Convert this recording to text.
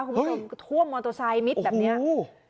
คุณผู้ชมท่วมมอเตอร์ไซค์มิดแบบเนี้ยโอ้โห